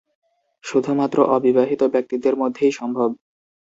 শুধুমাত্র অবিবাহিত ব্যক্তিদের মধ্যেই সম্ভব।